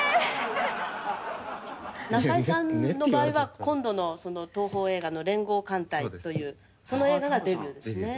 「中井さんの場合は今度の東宝映画の『連合艦隊』というその映画がデビューですね」